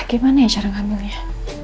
gimana ya cara ngambilnya